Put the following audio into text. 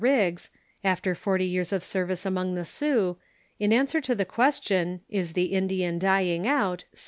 Riggs, after forty years of service among the Sioux, in ansAver to the .question, "Is the Indian dying out?"